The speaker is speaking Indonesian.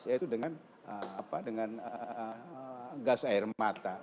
yaitu dengan gas air mata